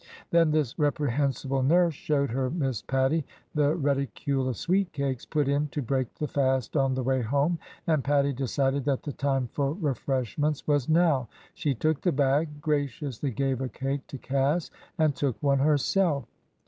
Then this reprehensible nurse showed her Miss Pattie the reti cule of sweet cakes " put in to break the fast on the way home, and Pattie decided that the time for refresh ments was now. She took the bag, graciously gave a cake to Cass, and took one herself.